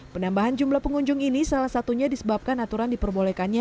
penambahan jumlah pengunjung ini salah satunya disebabkan aturan diperbolehkannya